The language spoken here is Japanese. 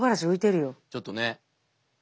ちょっとね。